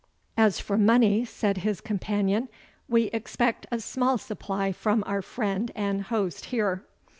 "As for money," said his companion, "We expect a small supply from our friend and host here."